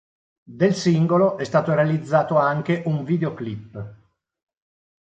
Del singolo è stato realizzato anche un videoclip.